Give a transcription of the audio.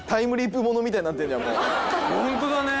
ホントだね。